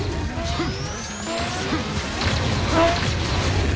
フッ！